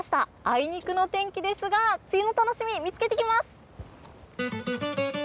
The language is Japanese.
あいにくの天気ですが梅雨の楽しみ見つけてきます！